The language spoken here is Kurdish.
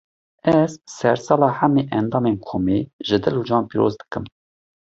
Ez, sersala hemî endamên komê, ji dil û can pîroz dikim